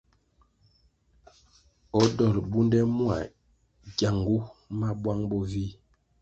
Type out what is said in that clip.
O dolʼ bunde mua gyangu ma buang bo vih.